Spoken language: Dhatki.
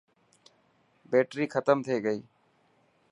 بيٽري ختم ٿي گئي.